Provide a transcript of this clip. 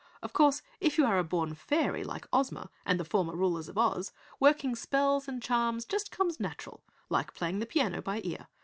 Of course, if you are a born fairy like Ozma and the former rulers of Oz, working spells and charms just comes natural like playing the piano by ear.